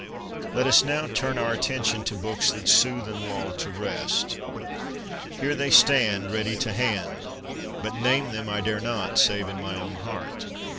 Let us now turn our attention to books that soothe and lull to rest. Here they stand, ready to hand. But name them I dare not, save in my own heart.